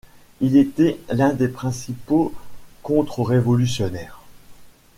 Il était l'un des principaux contre-révolutionnaires.